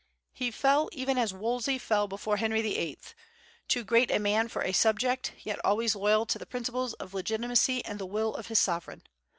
He fell even as Wolsey fell before Henry VIII., too great a man for a subject, yet always loyal to the principles of legitimacy and the will of his sovereign.